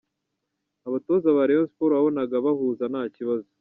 Abatoza ba Rayon Sports wabonaga bahuza nta kibazo.